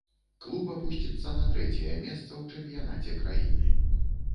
Клуб апусціцца на трэцяе месца ў чэмпіянаце краіны.